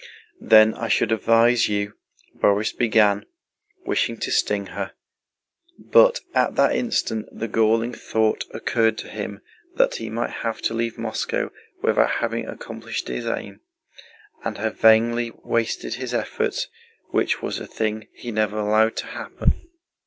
"Then I should advise you..." Borís began, wishing to sting her; but at that instant the galling thought occurred to him that he might have to leave Moscow without having accomplished his aim, and have vainly wasted his efforts—which was a thing he never allowed to happen.